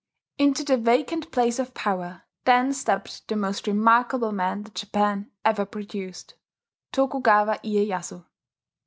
Into the vacant place of power then stepped the most remarkable man that Japan ever produced, Tokugawa Iyeyasu.